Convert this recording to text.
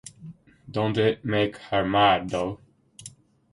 Don't it make her mad, though?